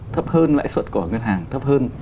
thấp hơn lãi suất của ngân hàng thấp hơn